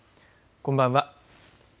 こんばんは。